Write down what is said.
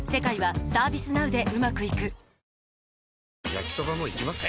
焼きソバもいきます？